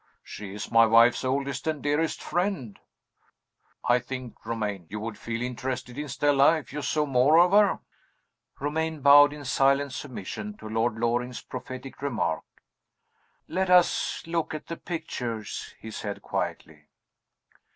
"She is my wife's oldest and dearest friend. I think, Romayne, you would feel interested in Stella, if you saw more of her." Romayne bowed in silent submission to Lord Loring's prophetic remark. "Let us look at the pictures," he said, quietly.